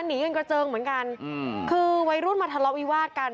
หนีกันกระเจิงเหมือนกันอืมคือวัยรุ่นมาทะเลาะวิวาดกัน